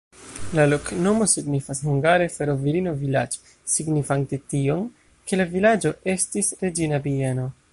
La loknomo signifas hungare: fero-virino-vilaĝ', signifante tion, ke la vilaĝo estis reĝina bieno.